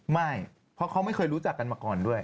ไม่เพราะเขาไม่เคยรู้จักกันมาก่อนด้วย